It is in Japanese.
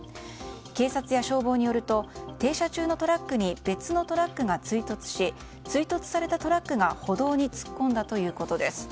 警察や消防によると停車中のトラックに別のトラックが追突し追突されたトラックが歩道に突っ込んだということです。